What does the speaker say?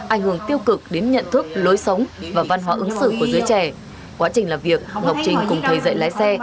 ảnh hưởng tiêu cực đến nhận thức lối sống và văn hóa ứng xử của dưới trẻ